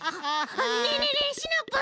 ねえねえねえシナプー。